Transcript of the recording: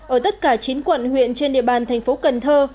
ở tất cả chín quận huyện trên địa bàn thành phố cần thơ